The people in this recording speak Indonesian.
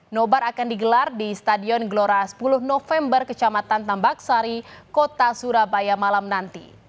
nobar akan digelar di stadion gelora sepuluh november kecamatan tambak sari kota surabaya malam nanti